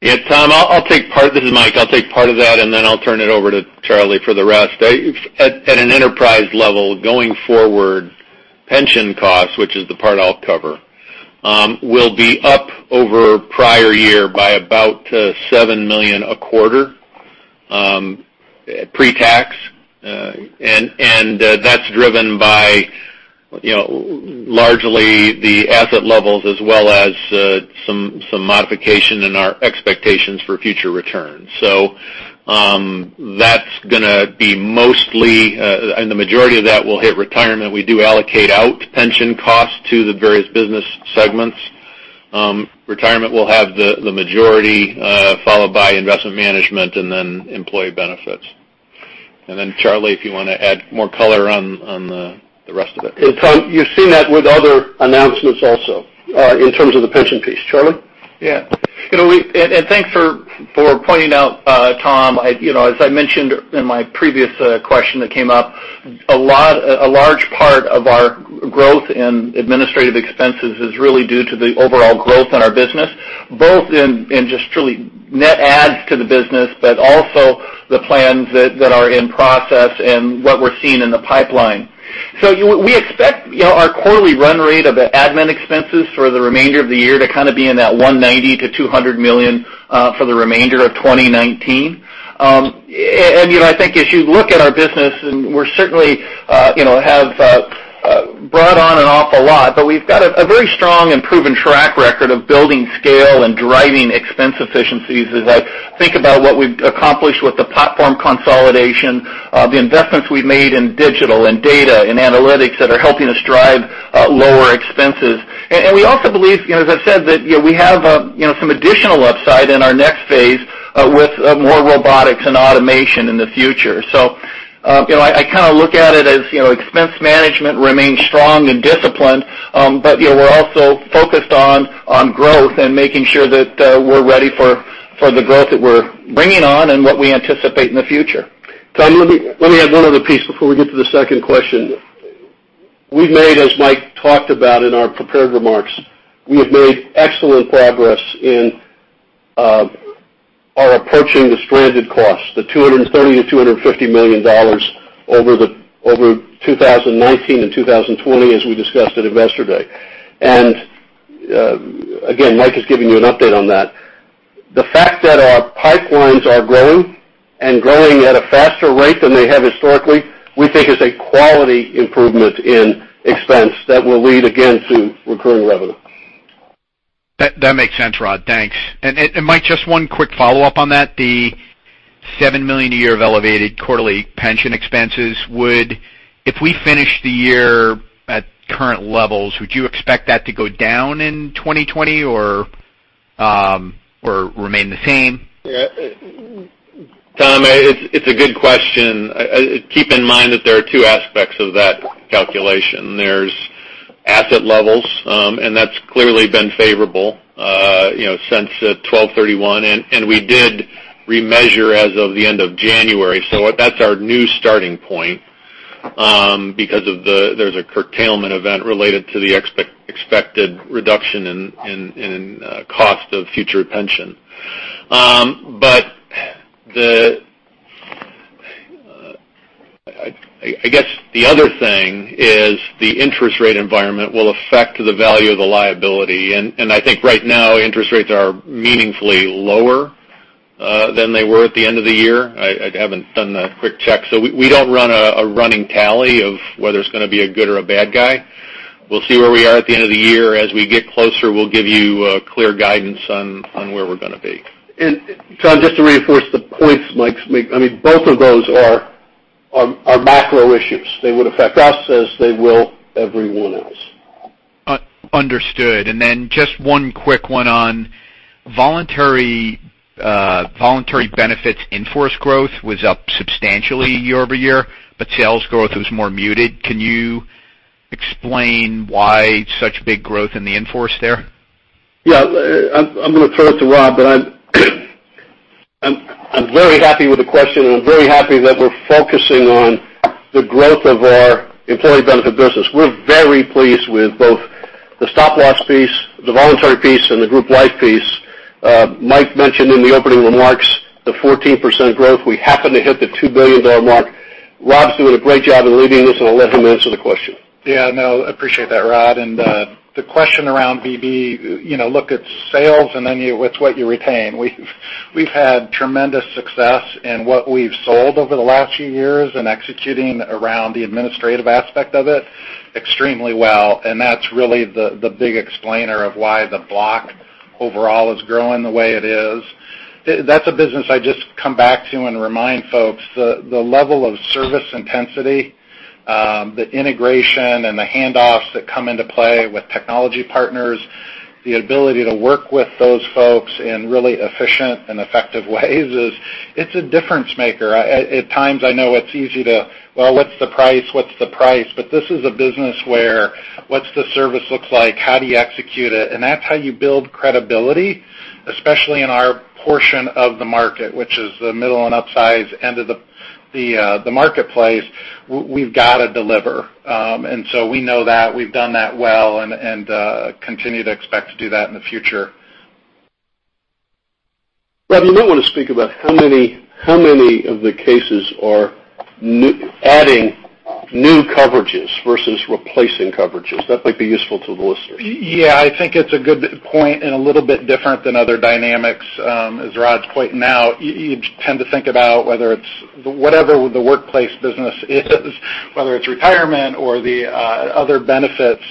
Yes, Tom, this is Mike. I'll take part of that, then I'll turn it over to Charlie for the rest. At an enterprise level, going forward, pension costs, which is the part I'll cover, will be up over prior year by about $7 million a quarter pretax. That's driven by largely the asset levels as well as some modification in our expectations for future returns. That's going to be mostly, the majority of that will hit Retirement. We do allocate out pension costs to the various business segments. Retirement will have the majority, followed by Investment Management, then Employee Benefits. Then Charlie, if you want to add more color on the rest of it. You've seen that with other announcements also, in terms of the pension piece. Charlie? Yes. Thanks for pointing out, Tom. As I mentioned in my previous question that came up, a large part of our growth in administrative expenses is really due to the overall growth in our business, both in just truly net adds to the business, but also the plans that are in process and what we're seeing in the pipeline. We expect our quarterly run rate of the admin expenses for the remainder of the year to be in that $190 million-$200 million for the remainder of 2019. I think as you look at our business, and we certainly have brought on an awful lot, but we've got a very strong and proven track record of building scale and driving expense efficiencies as I think about what we've accomplished with the platform consolidation, the investments we've made in digital, and data, and analytics that are helping us drive lower expenses. We also believe, as I said, that we have some additional upside in our next phase with more robotics and automation in the future. I look at it as expense management remains strong and disciplined, but we're also focused on growth and making sure that we're ready for the growth that we're bringing on and what we anticipate in the future. Tom, let me add one other piece before we get to the second question. As Mike talked about in our prepared remarks, we have made excellent progress in our approaching the stranded cost, the $230 million-$250 million over 2019 and 2020 as we discussed at Investor Day. Again, Mike is giving you an update on that. The fact that our pipelines are growing and growing at a faster rate than they have historically, we think is a quality improvement in expense that will lead again to recurring revenue. That makes sense, Rod. Thanks. Mike, just one quick follow-up on that. The $7 million a year of elevated quarterly pension expenses, if we finish the year at current levels, would you expect that to go down in 2020? Or remain the same? Tom, it's a good question. Keep in mind that there are two aspects of that calculation. There's asset levels, and that's clearly been favorable since 12/31, and we did remeasure as of the end of January. That's our new starting point, because there's a curtailment event related to the expected reduction in cost of future pension. I guess the other thing is the interest rate environment will affect the value of the liability, and I think right now, interest rates are meaningfully lower than they were at the end of the year. I haven't done the quick check. We don't run a running tally of whether it's going to be a good or a bad guy. We'll see where we are at the end of the year. As we get closer, we'll give you a clear guidance on where we're going to be. Tom, just to reinforce the points Mike's making, both of those are macro issues. They would affect us as they will everyone else. Understood. Then just one quick one on voluntary benefits. In-force growth was up substantially year-over-year, but sales growth was more muted. Can you explain why such big growth in the in-force there? Yeah. I'm going to throw it to Rob, but I'm very happy with the question. I'm very happy that we're focusing on the growth of our Employee Benefits business. We're very pleased with both the Stop Loss piece, the voluntary piece, and the Group Life piece. Mike mentioned in the opening remarks the 14% growth. We happened to hit the $2 billion mark. Rob's doing a great job in leading this. I'll let him answer the question. Yeah, no, I appreciate that, Rod. The question around VB, look at sales and then what you retain. We've had tremendous success in what we've sold over the last few years and executing around the administrative aspect of it extremely well, that's really the big explainer of why the block overall is growing the way it is. That's a business I just come back to and remind folks the level of service intensity, the integration and the handoffs that come into play with technology partners, the ability to work with those folks in really efficient and effective ways, it's a difference maker. At times, I know it's easy to, "Well, what's the price? What's the price?" This is a business where what's the service looks like? How do you execute it? That's how you build credibility, especially in our portion of the market, which is the middle and upsize end of the marketplace. We've got to deliver. We know that, we've done that well, and continue to expect to do that in the future. Rob, you might want to speak about how many of the cases are adding new coverages versus replacing coverages. That might be useful to the listeners. Yeah, I think it's a good point and a little bit different than other dynamics as Rod's pointing out. You tend to think about whether it's whatever the workplace business is, whether it's Retirement or the other benefits,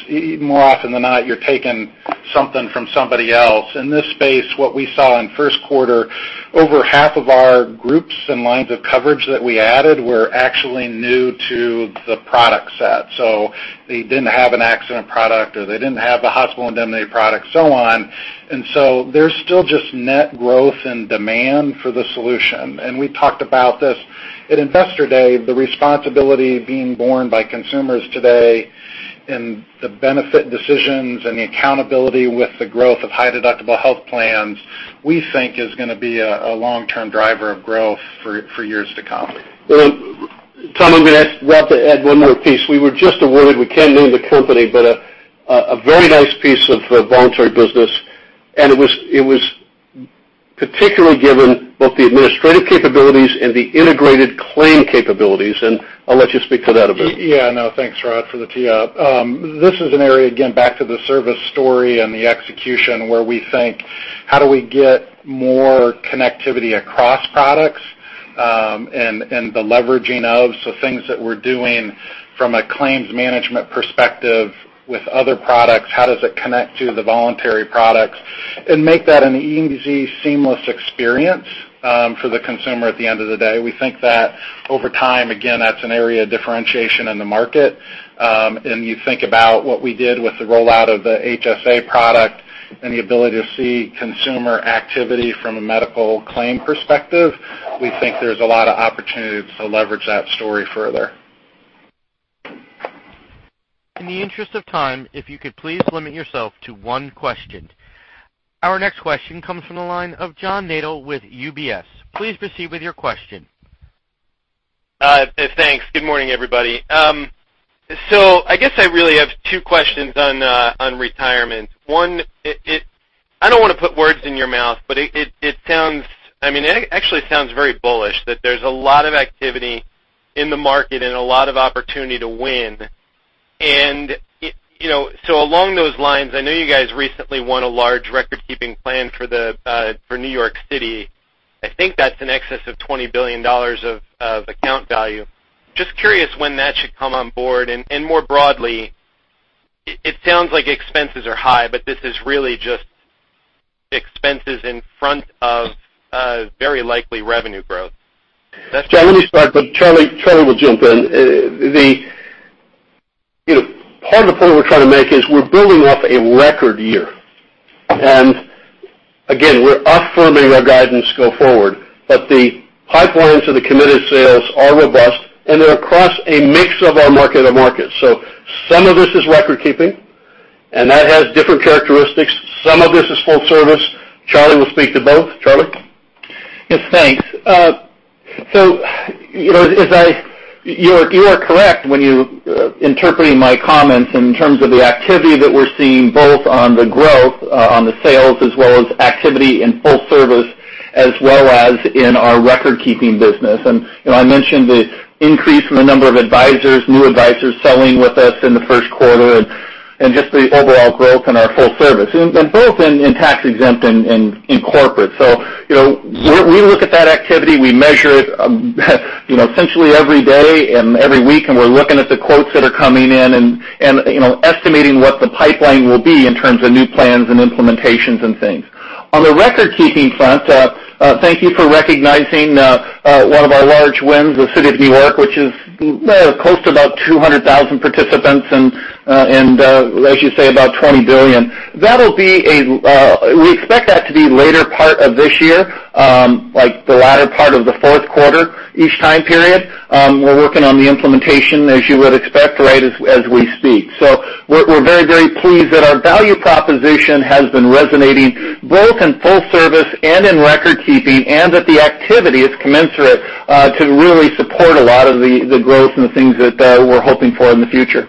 more often than not, you're taking something from somebody else. In this space, what we saw in first quarter, over half of our groups and lines of coverage that we added were actually new to the product set. They didn't have an accident product or they didn't have a hospital indemnity product, so on. There's still just net growth and demand for the solution. We talked about this at Investor Day, the responsibility being borne by consumers today and the benefit decisions and the accountability with the growth of high deductible health plans, we think is going to be a long-term driver of growth for years to come. Well, Tom, I'm going to ask Rob to add one more piece. We were just awarded, we can't name the company, but a very nice piece of voluntary business. It was particularly given both the administrative capabilities and the integrated claim capabilities. I'll let you speak to that a bit. Yeah, no, thanks, Rod, for the tee up. This is an area, again, back to the service story and the execution, where we think, how do we get more connectivity across products? The leveraging of, so things that we're doing from a claims management perspective with other products, how does it connect to the voluntary products? Make that an easy, seamless experience for the consumer at the end of the day. We think that over time, again, that's an area of differentiation in the market. You think about what we did with the rollout of the HSA product and the ability to see consumer activity from a medical claim perspective. We think there's a lot of opportunity to leverage that story further. In the interest of time, if you could please limit yourself to one question. Our next question comes from the line of John Nadel with UBS. Please proceed with your question. Thanks. Good morning, everybody. I guess I really have two questions on Retirement. I don't want to put words in your mouth, it actually sounds very bullish that there's a lot of activity in the market and a lot of opportunity to win. Along those lines, I know you guys recently won a large record-keeping plan for New York City. I think that's in excess of $20 billion of account value. Just curious when that should come on board. More broadly, it sounds like expenses are high, this is really just expenses in front of very likely revenue growth. John, let me start, Charlie will jump in. Part of the point we're trying to make is we're building off a record year. Again, we're affirming our guidance go forward, the pipelines of the committed sales are robust, they're across a mix of our market-to-market. Some of this is record keeping, that has different characteristics. Some of this is full service. Charlie will speak to both. Charlie? Yes, thanks. You are correct when you interpreting my comments in terms of the activity that we're seeing both on the growth, on the sales, as well as activity in full service, as well as in our record keeping business. I mentioned the increase in the number of advisors, new advisors selling with us in the first quarter, and just the overall growth in our full service, and both in tax exempt and in corporate. We look at that activity, we measure it essentially every day and every week, and we're looking at the quotes that are coming in and estimating what the pipeline will be in terms of new plans and implementations and things. On the record keeping front, thank you for recognizing one of our large wins, the City of New York, which is close to about 200,000 participants and, as you say, about $20 billion. We expect that to be later part of this year, like the latter part of the fourth quarter, each time period. We're working on the implementation, as you would expect, right as we speak. We're very pleased that our value proposition has been resonating both in full service and in record keeping, and that the activity is commensurate to really support a lot of the growth and the things that we're hoping for in the future.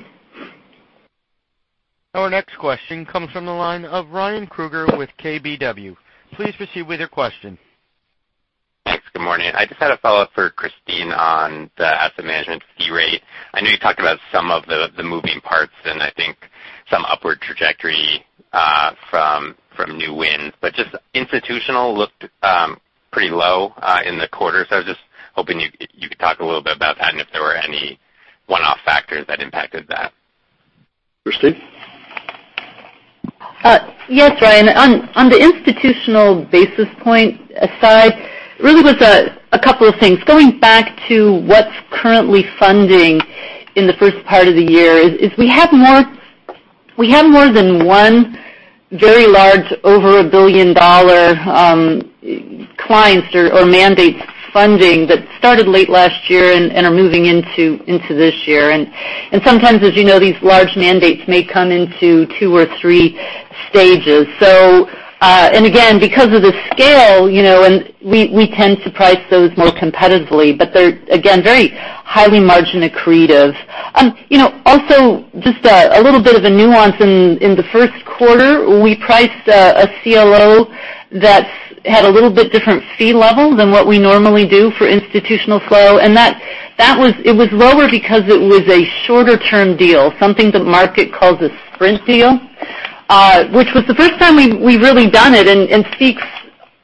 Our next question comes from the line of Ryan Krueger with KBW. Please proceed with your question. Thanks. Good morning. I just had a follow-up for Christine on the asset management fee rate. I know you talked about some of the moving parts and I think some upward trajectory from new wins, but just institutional looked pretty low in the quarter. I was just hoping you could talk a little bit about that and if there were any one-off factors that impacted that. Christine? Yes, Ryan. On the institutional basis points aside, really was a couple of things. Going back to what's currently funding in the first part of the year is we have more than one very large over a billion-dollar clients or mandates funding that started late last year and are moving into this year. Sometimes, as you know, these large mandates may come into 2 or 3 stages. Again, because of the scale, we tend to price those more competitively, but they're, again, very highly margin accretive. Also, just a little bit of a nuance in the first quarter, we priced a CLO that had a little bit different fee level than what we normally do for institutional flow, and it was lower because it was a shorter term deal, something the market calls a sprint deal, which was the first time we've really done it and speaks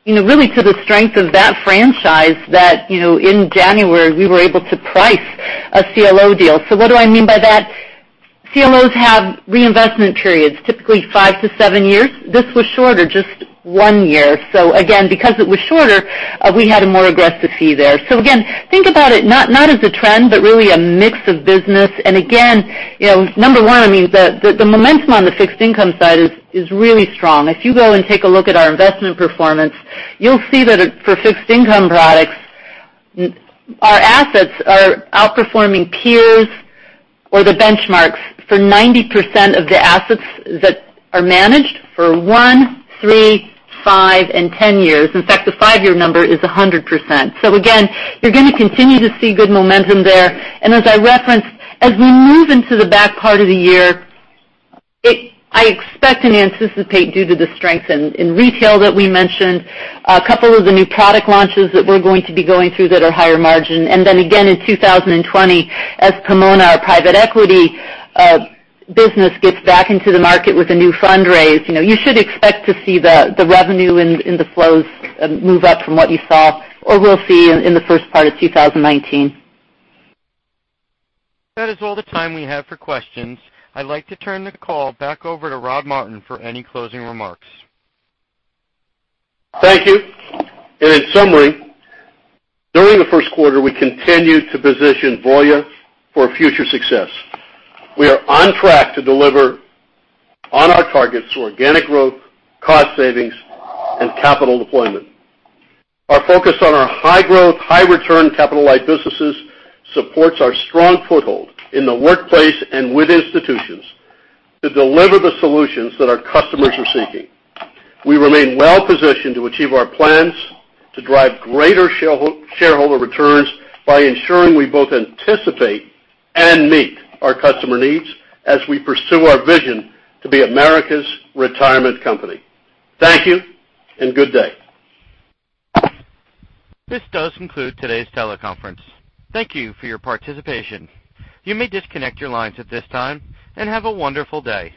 really to the strength of that franchise that in January, we were able to price a CLO deal. What do I mean by that? CLOs have reinvestment periods, typically 5 to 7 years. This was shorter, just 1 year. Again, because it was shorter, we had a more aggressive fee there. Again, think about it not as a trend, but really a mix of business. Again, number 1, the momentum on the fixed income side is really strong. If you go and take a look at our investment performance, you'll see that for fixed income products, our assets are outperforming peers or the benchmarks for 90% of the assets that are managed for 1, 3, 5 and 10 years. In fact, the 5-year number is 100%. Again, you're going to continue to see good momentum there. As I referenced, as we move into the back part of the year, I expect and anticipate due to the strength in retail that we mentioned, a couple of the new product launches that we're going to be going through that are higher margin. Again, in 2020, as Pomona, our private equity business, gets back into the market with a new fundraise, you should expect to see the revenue in the flows move up from what you saw or will see in the first part of 2019. That is all the time we have for questions. I'd like to turn the call back over to Rod Martin for any closing remarks. Thank you. In summary, during the first quarter, we continued to position Voya for future success. We are on track to deliver on our targets for organic growth, cost savings and capital deployment. Our focus on our high growth, high return capital light businesses supports our strong foothold in the workplace and with institutions to deliver the solutions that our customers are seeking. We remain well positioned to achieve our plans to drive greater shareholder returns by ensuring we both anticipate and meet our customer needs as we pursue our vision to be America's Retirement Company. Thank you and good day. This does conclude today's teleconference. Thank you for your participation. You may disconnect your lines at this time, and have a wonderful day.